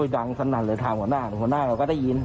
ดังสนั่นเลยถามหัวหน้าหัวหน้าเราก็ได้ยิน